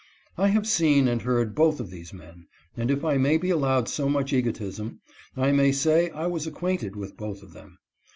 I have seen and heard both of these men, and, if I may be allowed so much egotism, I may say I was acquainted with both of them.